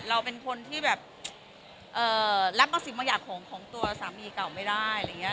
เราเป็นคนที่แบบเอ่อรับประสิทธิ์มะหยากของตัวสามีเก่าไม่ได้อะไรอย่างเงี้ย